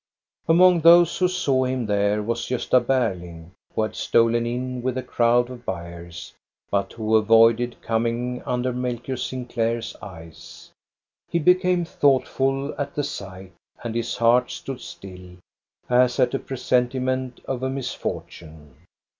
Among those who saw him there was Gosta Ber ling, who had stolen in with the crowd of buyers, but who avoided coming under Melchior Sinclair's eyes. He became thoughtful at the sight, and his heart stood still, as at a presentiment of a misfortune.